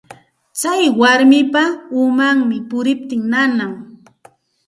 Tsay warmapa umanmi puriptin nanan.